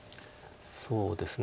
そうですね。